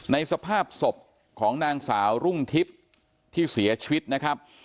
สภาพศพของนางสาวรุ่งทิพย์ที่เสียชีวิตนะครับ